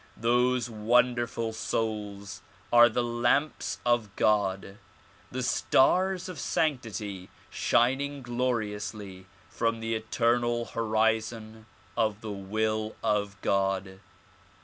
Those wonderful souls are the lamps of God, the stars of sanctity shining gloriously from the eternal horizon of the will of God.